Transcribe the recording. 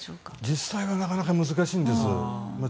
実際はなかなか難しいんです。